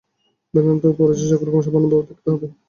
বেদান্তেও পড়েছিস, সকলকে সমানভাবে দেখতে হবে।